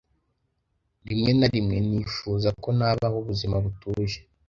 Rimwe na rimwe nifuza ko nabaho ubuzima butuje